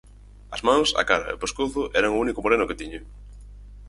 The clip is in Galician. As mans, a cara e o pescozo eran o único moreno que tiña.